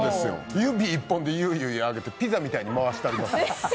指一本でゆいゆいを持ち上げてピザみたいに回したります。